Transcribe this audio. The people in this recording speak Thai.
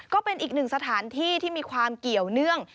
ก็เป็นอีกหนึ่งสถานที่ที่มีความเกี่ยวเนื่อง